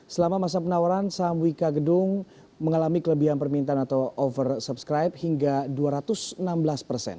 selama masa penawaran saham wika gedung mengalami kelebihan permintaan atau over subscribe hingga dua ratus enam belas persen